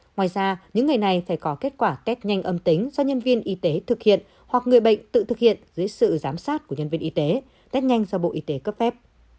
ngoài ra những người này phải có kết quả test nhanh âm tính do nhân viên y tế thực hiện hoặc người bệnh tự thực hiện dưới sự giám sát của nhân viên y tế test nhanh do bộ y tế cấp phép